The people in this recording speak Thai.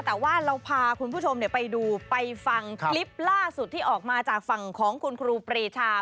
แต่ว่าเราพาคุณผู้ชมไปดูไปฟังคลิปล่าสุดที่ออกมาจากฝั่งของคุณครูปรีชา